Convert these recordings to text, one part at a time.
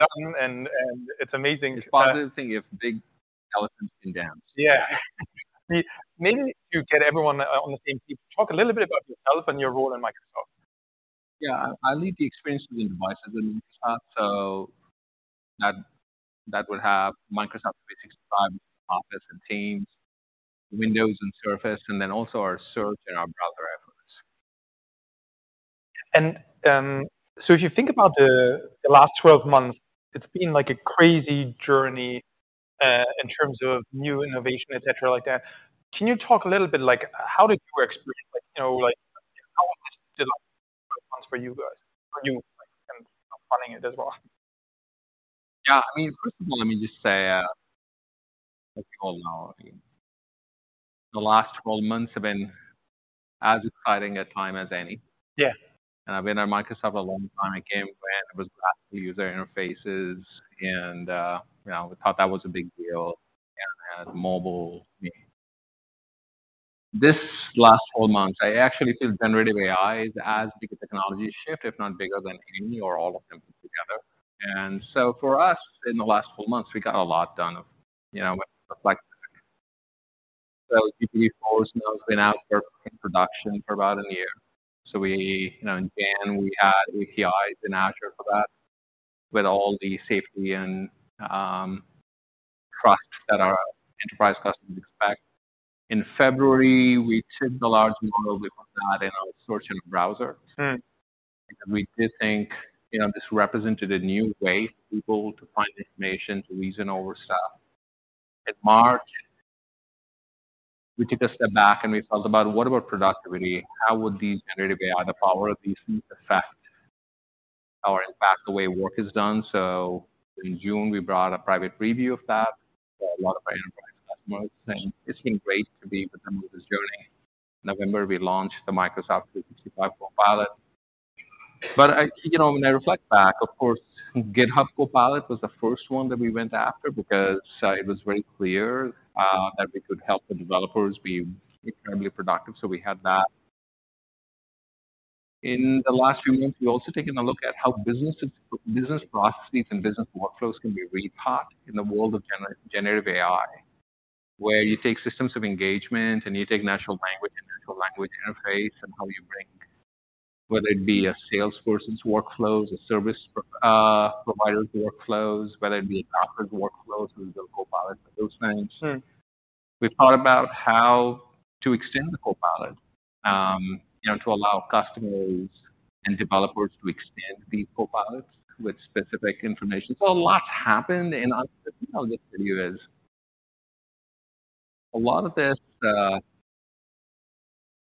Done, and it's amazing. It's funny to think if big elephants can dance. Yeah. Maybe you get everyone on the same page. Talk a little bit about yourself and your role in Microsoft. Yeah. I lead the Experiences and Devices in Microsoft, so that, that would have Microsoft 365, Office and Teams, Windows and Surface, and then also our search and our browser efforts. So if you think about the last 12 months, it's been like a crazy journey in terms of new innovation, et cetera, like that. Can you talk a little bit, like, how did you experience it? You know, like, how was the last 12 months for you guys, for you and running it as well? Yeah, I mean, first of all, let me just say, the last 12 months have been as exciting a time as any. Yeah. I've been at Microsoft a long time. I came when it was user interfaces and, you know, we thought that was a big deal, and then mobile. This last 12 months, I actually feel generative AI is as big a technology shift, if not bigger than any or all of them put together. And so for us, in the last 12 months, we got a lot done. You know, like, GPT-4 has now been out for production for about a year. So we, you know, again, we add APIs in Azure for that, with all the safety and trust that our enterprise customers expect. In February, we took the large model, we put that in our search and browser. Mm. We did think, you know, this represented a new way for people to find information, to reason over stuff. In March, we took a step back and we thought about what about productivity? How would these generative AI, the power of these, affect or impact the way work is done? So in June, we brought a private preview of that for a lot of our enterprise customers, and it's been great to be with them on this journey. November, we launched the Microsoft 365 Copilot. But I—you know, when I reflect back, of course, GitHub Copilot was the first one that we went after because, it was very clear, that we could help the developers be incredibly productive. So we had that. In the last few months, we've also taken a look at how business, business processes and business workflows can be rethought in the world of generative AI, where you take systems of engagement, and you take natural language and natural language interface and how you bring, whether it be a Salesforce's workflows, a service provider's workflows, whether it be a doctor's workflows, we build a Copilot for those things. Mm. We thought about how to extend the Copilot, you know, to allow customers and developers to extend the Copilots with specific information. So a lot happened, and the thing with this is, a lot of this,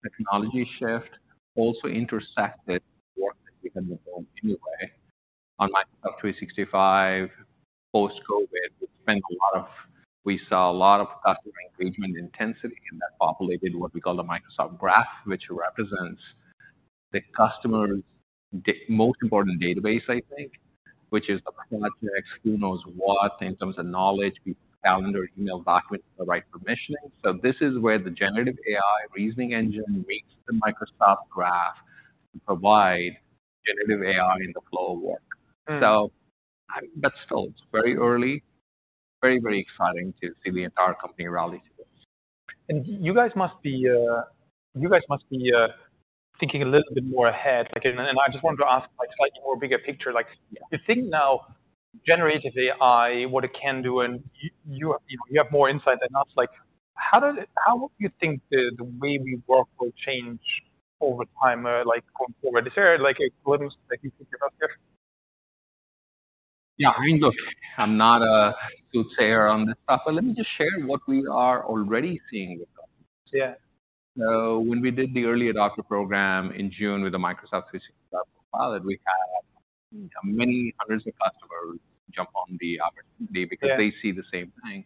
technology shift also intersected work that we've been doing anyway. On Microsoft 365, post-COVID, we saw a lot of customer engagement intensity, and that populated what we call the Microsoft Graph, which represents the customer's most important database, I think, which is the projects, who knows what in terms of knowledge, be calendar, email, document, the right permissioning. So this is where the generative AI reasoning engine meets the Microsoft Graph to provide generative AI in the flow of work. Mm. That's still very early. Very, very exciting to see the entire company rally to this. And you guys must be thinking a little bit more ahead. Like, I just wanted to ask, like, slightly more bigger picture. Like, you think now, generative AI, what it can do, and you have more insight than us. Like, how you think the way we work will change over time, like, going forward? Is there, like, a glimpse that you can give us here? Yeah, I mean, look, I'm not a soothsayer on this stuff, but let me just share what we are already seeing with them. Yeah. When we did the early adopter program in June with the Microsoft 365 Copilot, we had many hundreds of customers jump on the opportunity. Yeah Because they see the same thing.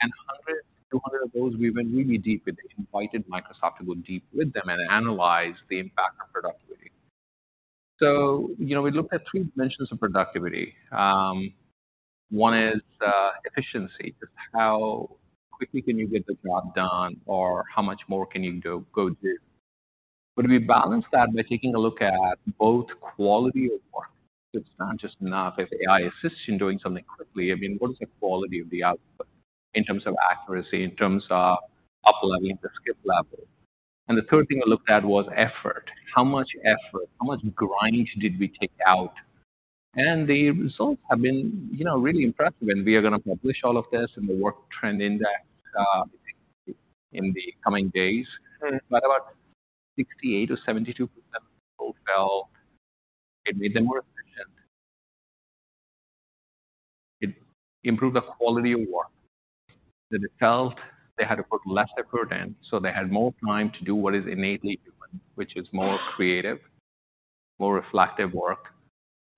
And hundreds to hundreds of those, we went really deep with. They invited Microsoft to go deep with them and analyze the impact on productivity. So you know, we looked at three dimensions of productivity. One is efficiency, just how quickly can you get the job done or how much more can you do, go do? But we balanced that by taking a look at both quality of work. It's not just enough if AI assists you in doing something quickly. I mean, what is the quality of the output in terms of accuracy, in terms of up-leveling the skill level? And the third thing we looked at was effort. How much effort, how much grind did we take out? And the results have been, you know, really impressive, and we are going to publish all of this in the Work Trend Index in the coming days. Mm. But about 68 or 72 people felt it made them more efficient. It improved the quality of work, that it felt they had to put less effort in, so they had more time to do what is innately human, which is more creative, more reflective work,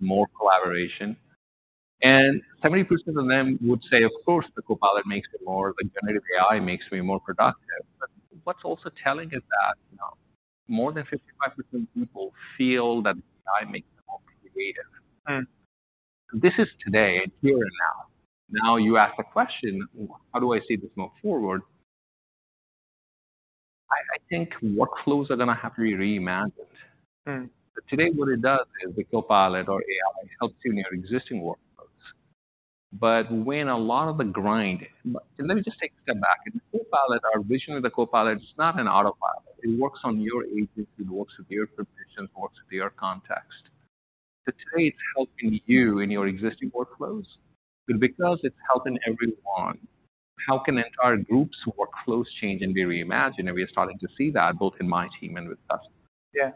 more collaboration. 70% of them would say, "Of course, the Copilot makes me more... The generative AI makes me more productive." What's also telling is that, you know, more than 55% of people feel that AI makes them more creative. Mm. This is today, here and now. Now, you ask the question: How do I see this move forward?... I think workflows are going to have to be reimagined. Mm-hmm. So today, what it does is the Copilot or AI helps you in your existing workflows. But let me just take a step back. In the Copilot, our vision of the Copilot is not an autopilot. It works on your agency, it works with your permissions, it works with your context. So today, it's helping you in your existing workflows, but because it's helping everyone, how can entire groups' workflows change and be reimagined? And we are starting to see that both in my team and with customers. Yeah.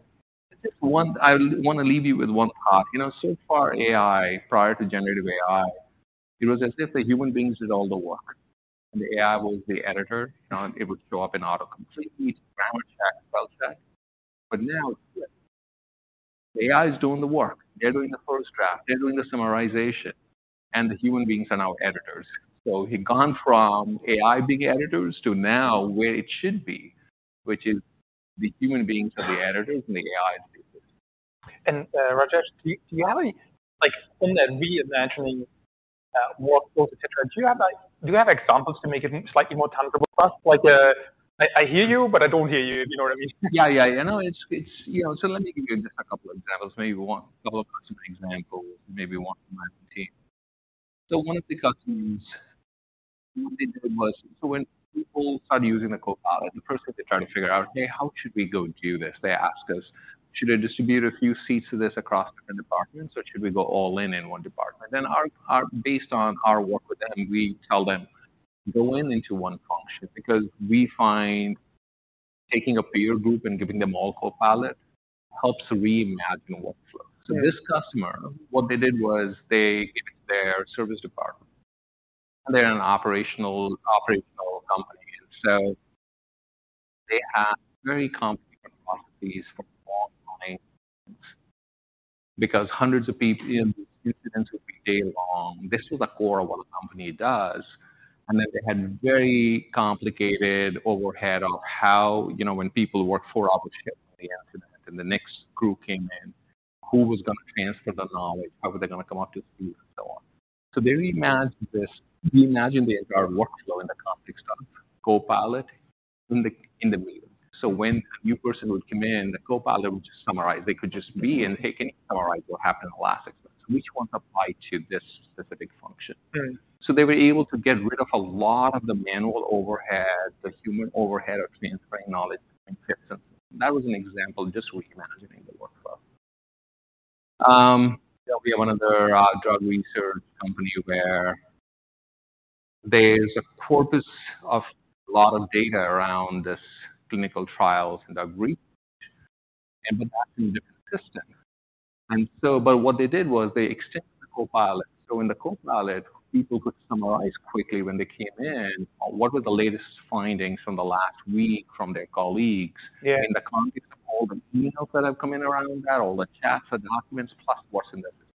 Just one. I want to leave you with one thought. You know, so far, AI, prior to generative AI, it was as if the human beings did all the work, and the AI was the editor. You know, it would show up in autocomplete, grammar check, spell check. But now, AI is doing the work. They're doing the first draft, they're doing the summarization, and the human beings are now editors. So we've gone from AI being editors to now where it should be, which is the human beings are the editors, and the AI is the assistant. Rajesh, do you have any, like, on that reimagining, workflows, et cetera, do you have, like, examples to make it slightly more tangible for us? Like, I hear you, but I don't hear you. You know what I mean? Yeah, yeah, yeah. No, it's... You know, so let me give you just a couple of examples. Maybe one, couple of customer examples, maybe one from my team. So one of the customers, what they did was... So when people start using Copilot, the first thing they try to figure out: Hey, how should we go do this? They ask us, "Should I distribute a few seats to this across different departments, or should we go all in in one department?" Then, based on our work with them, we tell them, "Go into one function," because we find taking a peer group and giving them all Copilot helps reimagine the workflow. Yeah. So this customer, what they did was they gave their service department. They're an operational company, and so they had very complicated processes for a long time because hundreds of people, incidents would be day-long. This was the core of what the company does, and then they had very complicated overhead of how, you know, when people work four-hour shift in the incident, and the next group came in, who was going to transfer the knowledge? How were they going to come up to speed, and so on. So they reimagined this, reimagined the entire workflow in the context of Copilot in the meeting. So when a new person would come in, the Copilot would just summarize. They could just read and, "Hey, can you summarize what happened in the last episode? Which ones apply to this specific function? Mm. So they were able to get rid of a lot of the manual overhead, the human overhead of transferring knowledge. And that was an example of just reimagining the workflow. There'll be one other drug research company where there's a corpus of a lot of data around this clinical trials and drug research, and but that's in a different system. And so, but what they did was they extended the Copilot. So in the Copilot, people could summarize quickly when they came in on what were the latest findings from the last week from their colleagues- Yeah In the context of all the emails that have come in around that, all the chats and documents, plus what's in the system.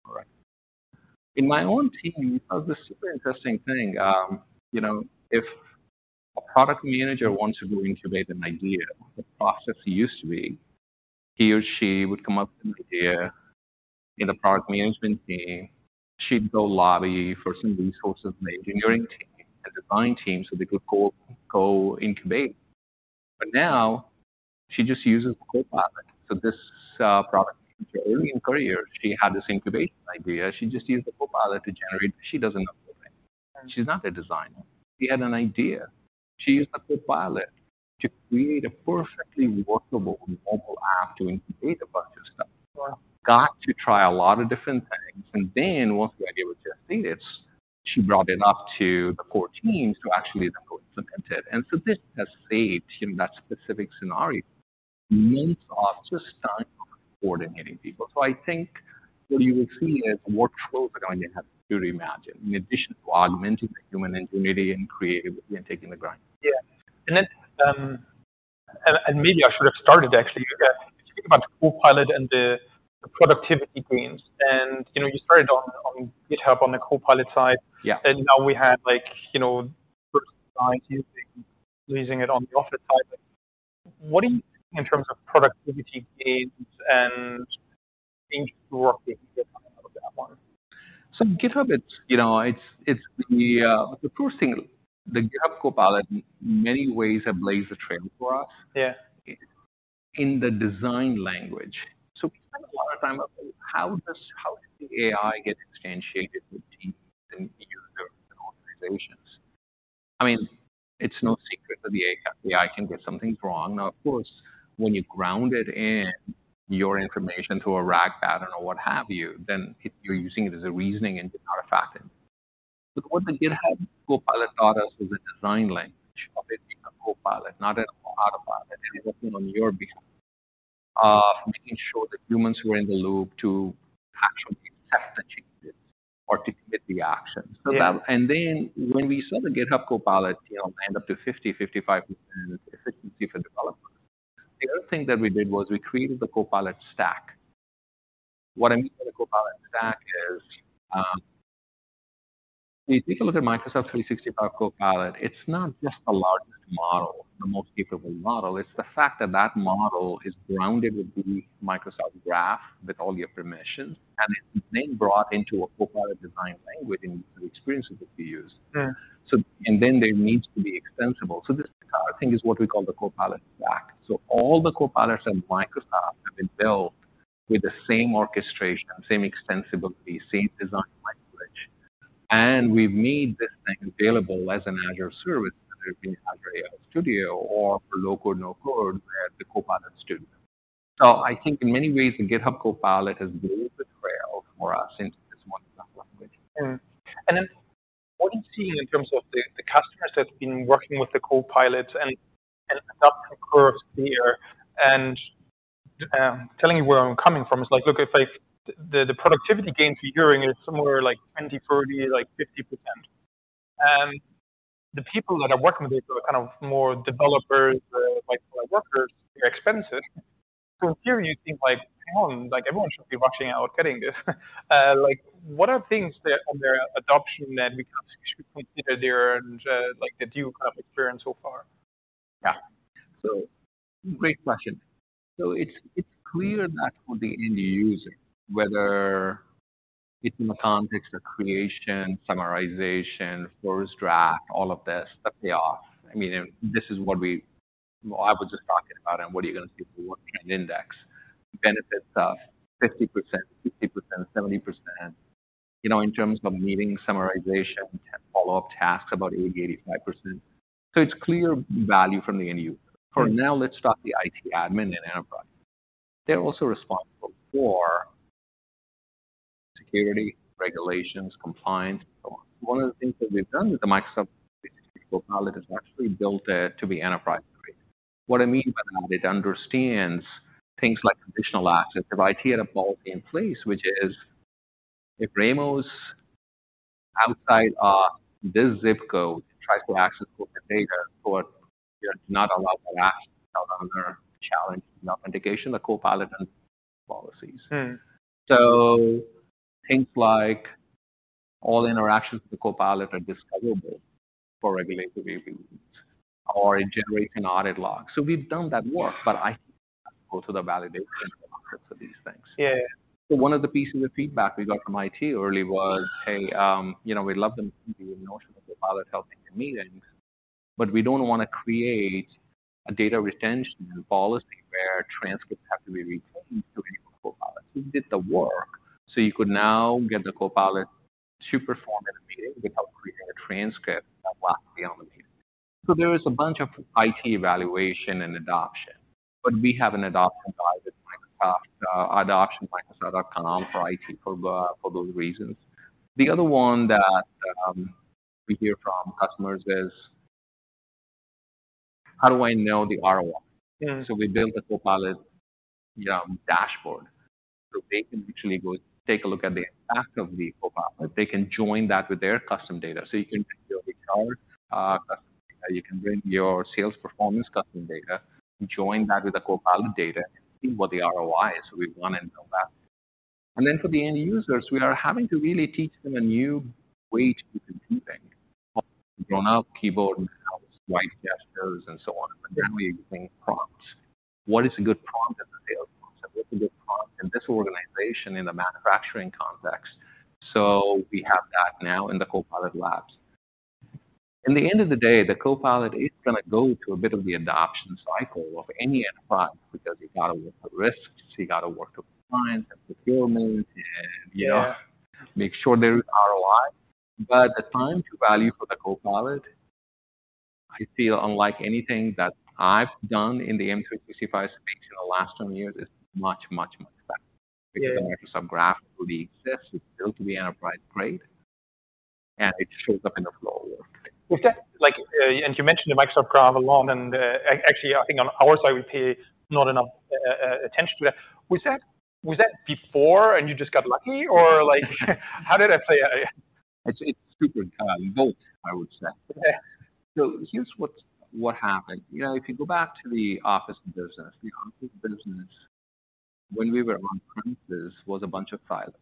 In my own team, this super interesting thing, you know, if a product manager wants to go incubate an idea, the process used to be he or she would come up with an idea in the product management team. She'd go lobby for some resources in the engineering team and design team so they could go, go incubate. But now she just uses the Copilot. So this, product, early in career, she had this incubation idea. She just used the Copilot to generate. She doesn't know coding. Mm. She's not a designer. She had an idea. She used a Copilot to create a perfectly workable mobile app to incubate a bunch of stuff. Wow! Got to try a lot of different things, and then once the idea was just finished, she brought it up to the core teams to actually implement it. And so this has saved, in that specific scenario, months of just time coordinating people. So I think what you will see is workflows are going to have to reimagine, in addition to augmenting the human ingenuity and creativity and taking the ground. Yeah. And then, maybe I should have started actually with that. Speaking about the Copilot and the productivity gains. And, you know, you started on GitHub, on the Copilot side. Yeah. Now we have, like, you know, personal side using, using it on the Office side. What do you, in terms of productivity gains and interrupting GitHub on that one? So GitHub, you know, it's the first thing, the GitHub Copilot in many ways have blazed the trail for us- Yeah In the design language. So we spend a lot of time on how does, how does the AI get instantiated with teams and user organizations? I mean, it's no secret that the AI, AI can get something wrong. Now, of course, when you ground it in your information through a RAG pattern or what have you, then you're using it as a reasoning and artifacting. But what the GitHub Copilot taught us was the design language of it being a copilot, not an autopilot. Mm-hmm. It's working on your behalf, making sure that humans were in the loop to actually test the changes or to get the action. Yeah. And then when we saw the GitHub Copilot, you know, end up to 50-55% efficiency for developers, the other thing that we did was we created the Copilot stack. What I mean by the Copilot stack is, if you take a look at Microsoft 365 Copilot, it's not just the largest model, the most capable model, it's the fact that that model is grounded with the Microsoft Graph, with all your permissions, and it's then brought into a Copilot design language in the experiences that we use. Yeah. And then they need to be extensible. This entire thing is what we call the Copilot stack. All the Copilots at Microsoft have been built with the same orchestration, same extensibility, same design language. And we've made this thing available as an Azure service, whether it be Azure AI Studio or for low-code, no-code, the Copilot Studio. I think in many ways, the GitHub Copilot has blazed the trail for us into this modern graph language. And then what are you seeing in terms of the customers that's been working with the Copilot and adoption curves here? And telling you where I'm coming from, it's like, look, if I—the productivity gains we're hearing is somewhere like 20, 30, like 50%. And the people that are working with it are kind of more developers, or like workers, they're expensive. So here you think, like, hang on, like, everyone should be rushing out, getting this. Like, what are things that on their adoption that we can consider there and, like, did you have experience so far? Yeah. So great question. So it's, it's clear that for the end user, whether it's in the context of creation, summarization, first draft, all of this, the payoff. I mean, this is what we... I was just talking about, and what you're gonna see from the Work Trend Index. Benefits of 50%, 60%, 70%. You know, in terms of meeting summarization and follow-up tasks, about 80%-85%. So it's clear value from the end user. For the IT admin and enterprise. They're also responsible for security, regulations, compliance, and so on. One of the things that we've done with the Microsoft Copilot is actually built it to be enterprise grade. What I mean by that, it understands things like conditional access. If IT had a vault in place, which is if Raimo's outside this zip code tries to access corporate data, but you're not allowed to ask under challenge and authentication, the Copilot policies. Mm. Things like all interactions with the Copilot are discoverable for regulatory reviews, or it generates an audit log. So we've done that work, but I go to the validation for these things. Yeah. So one of the pieces of feedback we got from IT early was: Hey, you know, we love the notion of the Copilot helping the meetings, but we don't wanna create a data retention policy where transcripts have to be retained to any Copilot. We did the work, so you could now get the Copilot to perform in a meeting without creating a transcript that lasts beyond the meeting. So there is a bunch of IT evaluation and adoption, but we have an adoption guide with Microsoft, adoption.microsoft.com for IT for the, for those reasons. The other one that we hear from customers is: How do I know the ROI? Yeah. So we built a Copilot dashboard, so they can literally go take a look at the impact of the Copilot. They can join that with their custom data. So you can build your account, you can bring your sales performance custom data, join that with the Copilot data, and see what the ROI is. So we wanna know that. And then for the end users, we are having to really teach them a new way to be computing, grown-up keyboard and mouse, swipe, gestures, and so on. But now we're using prompts. What is a good prompt in the sales process? What's a good prompt in this organization in the manufacturing context? So we have that now in the Copilot Labs. In the end of the day, the Copilot is gonna go through a bit of the adoption cycle of any enterprise, because you got to work with risks, you got to work with compliance and security, and, you know- Yeah Make sure there is ROI. But the time to value for the Copilot, I feel, unlike anything that I've done in the M365 suite in the last 10 years, is much, much, much better. Yeah. Because the Microsoft Graph really exists. It's built to be enterprise-grade, and it shows up in the flow. With that, like, and you mentioned the Microsoft Graph alone, and actually, I think on our side, we pay not enough attention to that. Was that before and you just got lucky? Or like, how did I say... It's super, both, I would say. Yeah. So here's what happened. You know, if you go back to the Office business, the Office business, when we were on premises, was a bunch of pilots.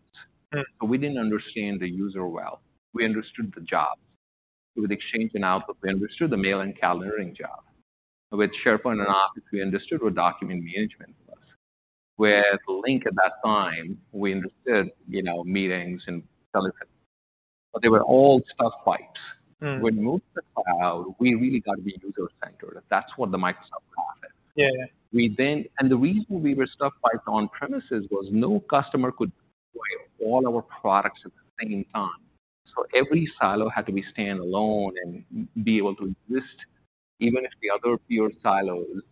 Yeah. We didn't understand the user well. We understood the jobs. With Exchange and Outlook, we understood the mail and calendaring job. With SharePoint and Office, we understood what document management was. With Lync, at that time, we understood, you know, meetings and telephone, but they were all stovepipes. Mm. When we moved to the cloud, we really got to be user-centered. That's what the Microsoft Graph is. Yeah. We then and the reason we were stovepiped on-premises was no customer could buy all our products at the same time. So every silo had to be standalone and be able to exist, even if the other product silos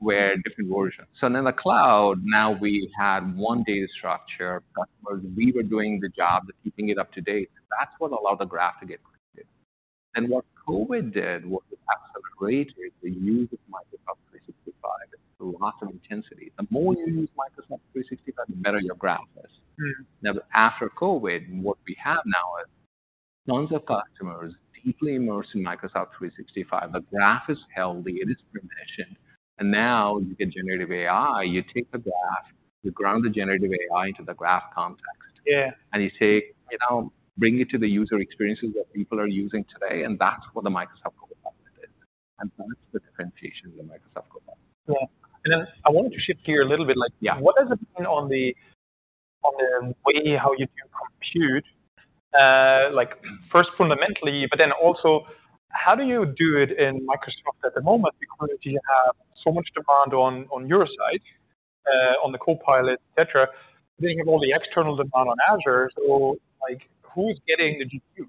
were different versions. So in the cloud, now we had one data structure. Customers, we were doing the job of keeping it up to date. That's what allowed the graph to get created. And what COVID did, what it accelerated, the use of Microsoft 365, a lot of intensity. Mm. The more you use Microsoft 365, the better your graph is. Mm. Now, after COVID, what we have now is tons of customers deeply immersed in Microsoft 365. The graph is healthy, it is permissioned, and now you get generative AI. You take the graph, you ground the generative AI into the graph context- Yeah And you say, you know, bring it to the user experiences that people are using today, and that's what the Microsoft Copilot is, and that's the differentiation of the Microsoft Copilot. Yeah. And then I wanted to shift gear a little bit, like- Yeah What has been on the way how you do compute, like first fundamentally, but then also how do you do it in Microsoft at the moment? Because you have so much demand on your side, on the Copilot, et cetera, then you have all the external demand on Azure. So like, who's getting the GPU?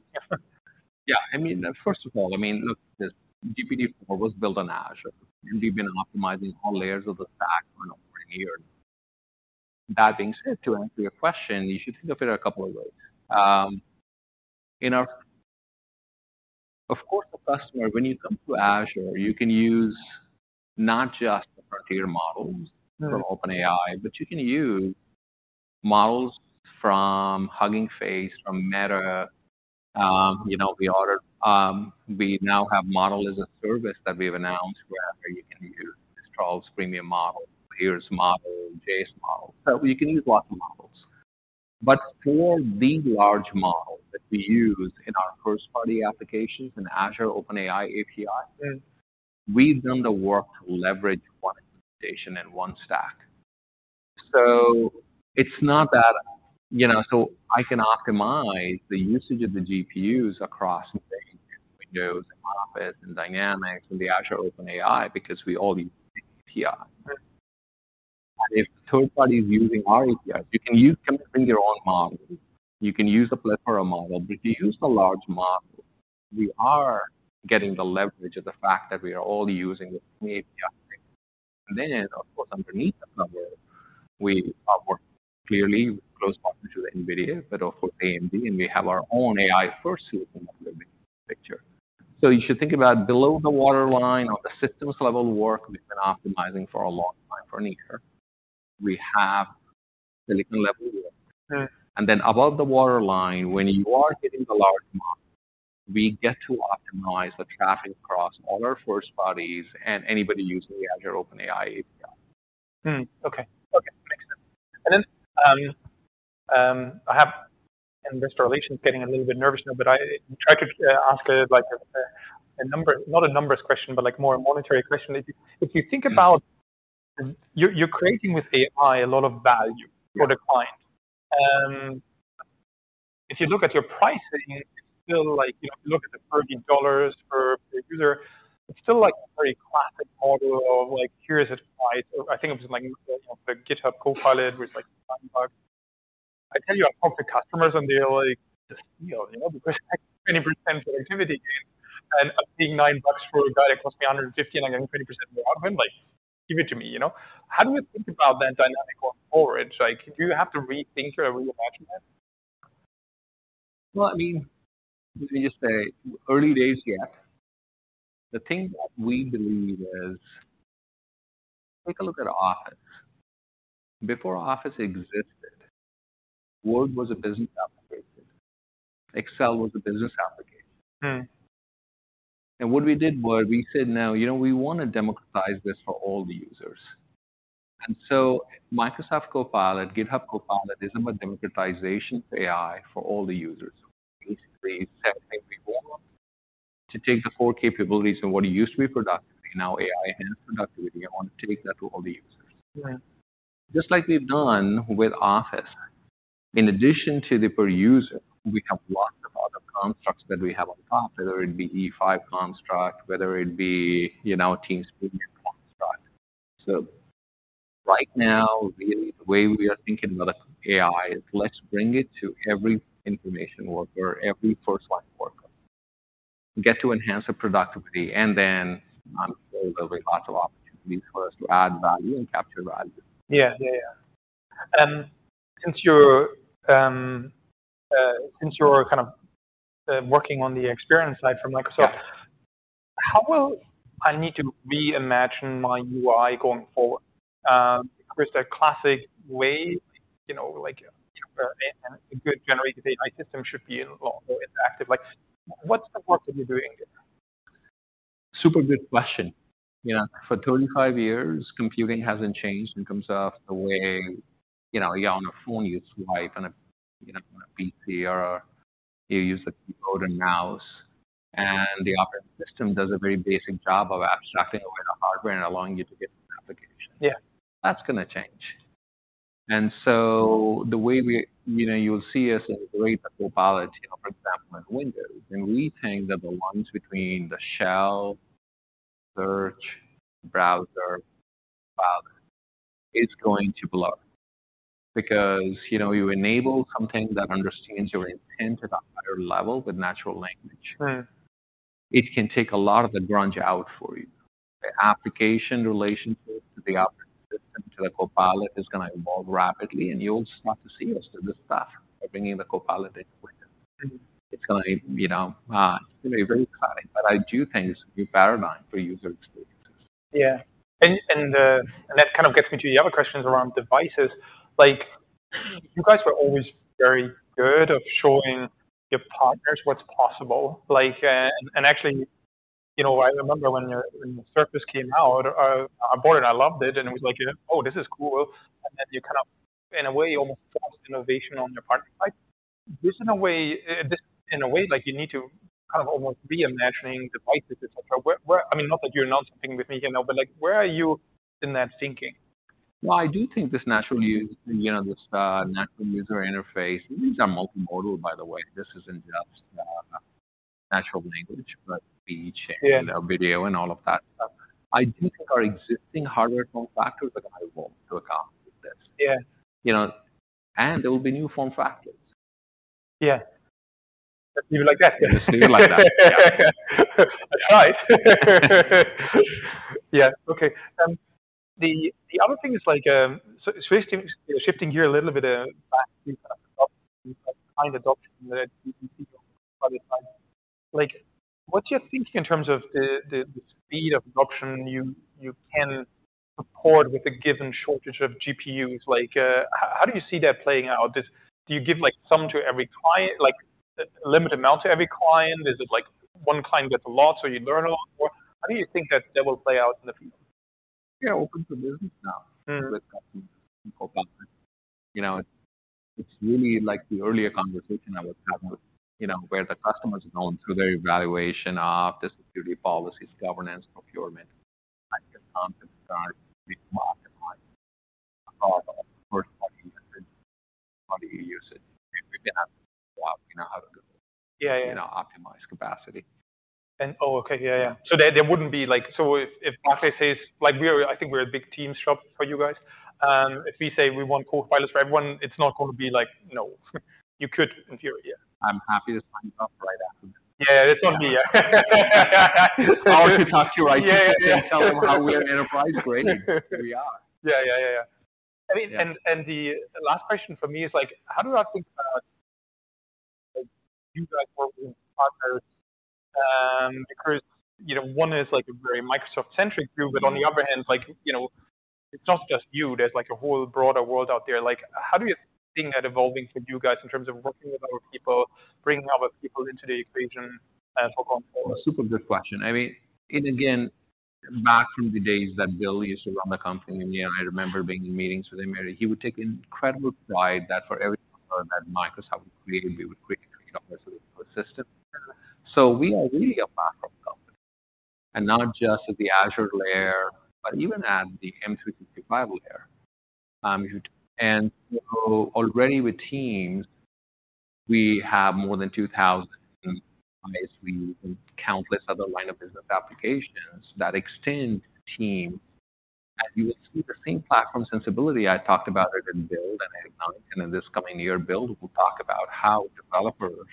Yeah, I mean, first of all, I mean, look, this GPT-4 was built on Azure, and we've been optimizing all layers of the stack on over a year. That being said, to answer your question, you should think of it a couple of ways. You know, of course, the customer, when you come to Azure, you can use not just the particular models- Mm. from OpenAI, but you can use models from Hugging Face, from Meta. You know, we order, we now have Models as a Service that we've announced, where after you can use Charles premium model, here's model, Jais model. You can use lots of models. For the large model that we use in our first party applications in Azure OpenAI API, we've done the work to leverage one implementation and one stack. It's not that, you know-- I can optimize the usage of the GPUs across Windows, Office, Dynamics, and the Azure OpenAI because we all use API. If third party is using our APIs, you can use, can bring their own models. You can use a platform model, but if you use the large model, we are getting the leverage of the fact that we are all using the same API. And then, of course, underneath the model, we are working clearly in close partnership with NVIDIA, but also AMD, and we have our own AI-first solution picture. So you should think about below the waterline or the systems level work, we've been optimizing for a long time, for a year. We have silicon level work. Mm. And then above the waterline, when you are getting the large model, we get to optimize the traffic across all our first parties and anybody using the Azure OpenAI API. Hmm. Okay. Okay, makes sense. And then, I have, and this relation is getting a little bit nervous now, but I try to ask, like, a number—not a numbers question, but like more a monetary question. If you think about, you're creating with AI a lot of value- Yeah For the client. If you look at your pricing, it's still like, you know, if you look at the $30 per user, it's still like a very classic model of like, here is it price. I think it was like the GitHub Copilot, was like $5. I tell you, I talk to customers and they're like, "Just, you know, because 20% productivity gain, and I'm paying $9 for a guy that costs me $150, and I get 20% more of him. Like, give it to me," you know? How do we think about that dynamic going forward? Like, do you have to rethink or reimagine that? Well, I mean, let me just say, early days, yeah. The thing that we believe is, take a look at Office. Before Office existed, Word was a business application. Excel was a business application. Mm. What we did was we said, "Now, you know, we want to democratize this for all the users." So Microsoft Copilot, GitHub Copilot, is about democratization of AI for all the users. Basically, same thing we want to take the core capabilities of what used to be productivity, now AI-enhanced productivity, I want to take that to all the users. Yeah. Just like we've done with Office. In addition to the per user, we have lots of other constructs that we have on top, whether it be E5 construct, whether it be, you know, Teams Premium construct. So right now, really, the way we are thinking about AI is let's bring it to every information worker, every first line worker. We get to enhance the productivity, and then there will be lots of opportunities for us to add value and capture value. Yeah. Yeah, yeah. And since you're kind of working on the experience side from Microsoft- Yeah. How will I need to reimagine my UI going forward? There's a classic way, you know, like, a good generated AI system should be interactive. Like, what's the work that you're doing here? Super good question. You know, for 35 years, computing hasn't changed in terms of the way, you know, you're on a phone, you swipe on a, you know, on a PC, or you use the code and mouse, and the operating system does a very basic job of abstracting away the hardware and allowing you to get an application. Yeah. That's gonna change. And so the way we—you know, you'll see us integrate the totality, for example, in Windows, and we think that the ones between the shell, search, browser, file, is going to blur. Because, you know, you enable something that understands your intent at a higher level with natural language. Mm. It can take a lot of the grunge out for you. The application relationship to the operating system, to the Copilot, is gonna evolve rapidly, and you'll start to see us do this stuff by bringing the Copilot into it. It's gonna be, you know, it's gonna be very exciting, but I do think it's a new paradigm for user experiences. Yeah. And that kind of gets me to the other questions around devices. Like, you guys were always very good of showing your partners what's possible. Like, and actually, you know, I remember when the Surface came out, I bought it, I loved it, and it was like: Oh, this is cool. And then you kind of, in a way, almost forced innovation on your partner. Like, this in a way, like you need to kind of almost reimagining devices, et cetera. Where, I mean, not that you're announcing anything with me, you know, but like, where are you in that thinking? Well, I do think this natural use, you know, this natural user interface, these are multimodal, by the way. This isn't just natural language, but speech- Yeah Video and all of that stuff. I do think our existing hardware form factors are going to evolve to account with this. Yeah. You know, and there will be new form factors. Yeah. Even like that? Just do it like that. I tried. Yeah, okay. The other thing is like, so switching, shifting gear a little bit, back to the kind of adoption that you see, like, what's your thinking in terms of the speed of adoption you can support with a given shortage of GPUs? Like, how do you see that playing out? Do you give, like, some to every client, like a limited amount to every client? Is it like one client gets a lot, so you learn a lot more? How do you think that will play out in the field? We are open for business now. Mm. With Copilot. You know, it's really like the earlier conversation I was having with, you know, where the customer is going through their evaluation of the security policies, governance, procurement, like, how to start with Copilot. How do you use it? We have to figure out, you know, how to- Yeah, yeah... you know, optimize capacity. Oh, okay. Yeah, yeah. So there wouldn't be like, so if Copilot says, like, we are, I think we're a big Teams shop for you guys, if we say we want Copilots for everyone, it's not going to be like, "No." You could in theory, yeah. I'm happy to sign you up right after. Yeah, it's not me. I'll talk to your IT- Yeah, yeah Tell them how we are enterprise ready. We are. Yeah, yeah, yeah, yeah. I mean, and the last question for me is like: how do I think about you guys working with partners? Because, you know, one is like a very Microsoft-centric group, but on the other hand, like, you know, it's not just you, there's like a whole broader world out there. Like, how do you see that evolving for you guys in terms of working with other people, bringing other people into the equation as well? Super good question. I mean, and again, back in the days that Bill used to run the company, and yeah, I remember being in meetings with him, where he would take incredible pride that for every product that Microsoft would create, we would quickly create a system. So we are really a platform company, and not just at the Azure layer, but even at the M365 layer. And, you know, already with Teams, we have more than 2,000 ISV and countless other line of business applications that extend Teams. And you will see the same platform sensibility I talked about during Build, and, and in this coming year, Build, we'll talk about how developers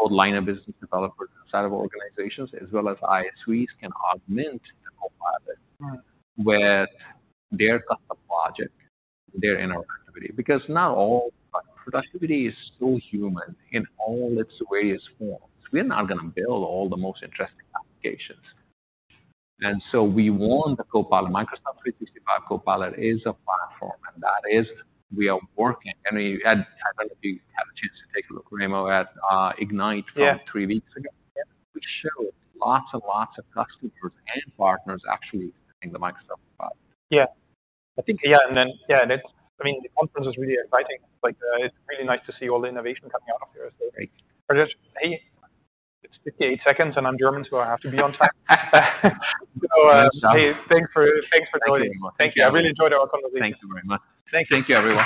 or line-of-business developers inside of organizations, as well as ISVs, can augment the Copilot- Right with their custom logic, their interactivity, because not all productivity is still human in all its various forms. We're not gonna build all the most interesting applications. And so we want the Copilot, Microsoft 365 Copilot is a platform, and that is we are working. I mean, I don't know if you had a chance to take a look, Raimo, at Ignite- Yeah Three weeks ago. We showed lots and lots of customers and partners actually in the Microsoft Copilot. Yeah. I think, yeah, and then, yeah, that's—I mean, the conference was really exciting. Like, it's really nice to see all the innovation coming out of there. Great. So just, hey, it's 58 seconds, and I'm German, so I have to be on time. So, hey, thanks for, thanks for joining. Thank you very much. Thank you. I really enjoyed our conversation. Thank you very much. Thank you. Thank you, everyone.